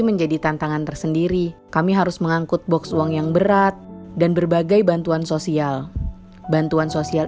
menjadi tantangan tersendiri kami harus mengangkut box uang yang berat dan berbagai bantuan sosial bantuan sosial